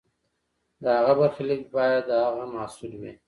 د هغه برخلیک باید د هغه محصول وي.